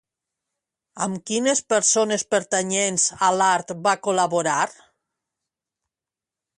Amb quines persones pertanyents a l'art va col·laborar?